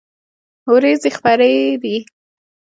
ورېځې خپری دي